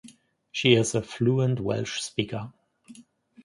She is a fluent Welsh speaker.